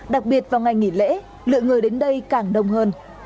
đặc biệt vào ngày nghỉ lễ lượng người đến đây càng đông hơn